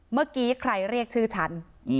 เมื่อกี้ใครเรียกชื่อฉัน